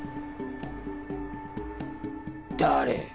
誰？